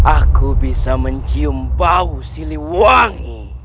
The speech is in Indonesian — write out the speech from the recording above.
aku bisa mencium bau sili wangi